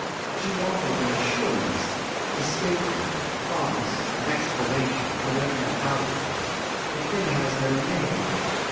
She wanted an assurance, a statement, a promise, an explanation I don't know how to call it: the thing has no name.